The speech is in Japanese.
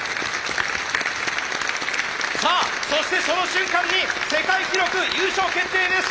さあそしてその瞬間に世界記録優勝決定です！